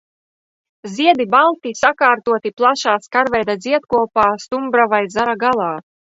Ziedi balti, sakārtoti plašā skarveida ziedkopā stumbra vai zara galā.